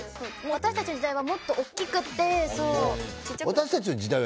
私たちの時代はもっとおっきくって。